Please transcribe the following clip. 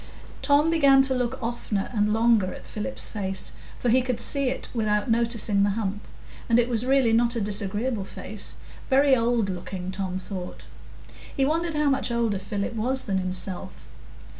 Tom began to look oftener and longer at Philip's face, for he could see it without noticing the hump, and it was really not a disagreeable face,—very old looking, Tom thought. He wondered how much older Philip was than himself.